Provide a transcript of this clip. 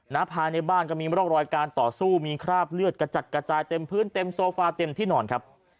ภายในบ้านก็มีร่องรอยการต่อสู้มีคราบเลือดกระจัดกระจายเต็มพื้นเต็มโซฟาเต็มที่นอนครับ